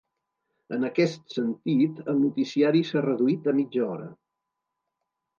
En aquest sentit, el noticiari s’ha reduït a mitja hora.